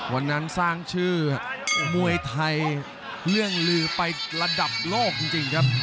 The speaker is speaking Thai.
วันนั้นสร้างชื่อมวยไทยเรื่องลือไประดับโลกจริงครับ